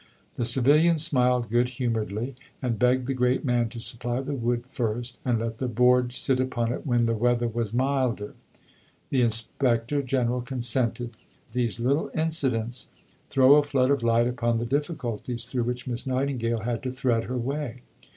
The civilian smiled good humouredly, and begged the great man to supply the wood first, and let the Board sit upon it when the weather was milder. The Inspector General consented. These little incidents throw a flood of light upon the difficulties through which Miss Nightingale had to thread her way.